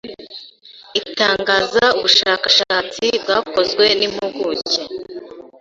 itangaza ubushashatsi bwakozwe n’impuguke